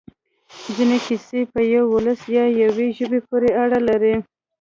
ځینې کیسې په یوه ولس یا یوې ژبې پورې اړه لري.